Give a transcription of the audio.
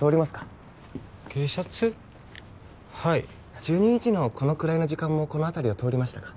はい１２日のこのくらいの時間もこの辺りを通りましたか？